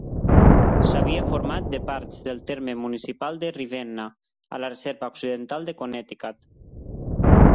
S'havia format de parts del terme municipal de Ravenna a la reserva occidental de Connecticut.